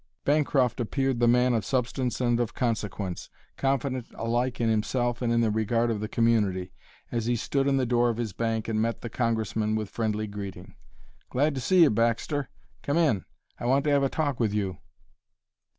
Bancroft appeared the man of substance and of consequence, confident alike in himself and in the regard of the community, as he stood in the door of his bank and met the Congressman with friendly greeting. "Glad to see you, Baxter! Come in! I want to have a talk with you."